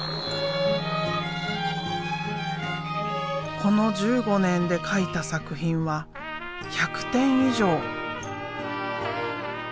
この１５年で描いた作品は１００点以上。